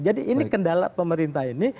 jadi ini kendala pemerintah ini